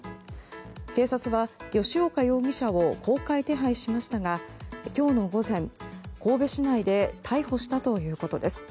警察は吉岡容疑者を公開手配しましたが今日の午前、神戸市内で逮捕したということです。